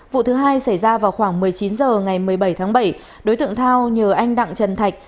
vụ thứ hai xảy ra vào khoảng một mươi chín h ngày một mươi bảy tháng bảy đối tượng thao nhờ anh đặng trần thạch